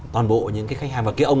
toàn bộ những cái khách hàng và cái ông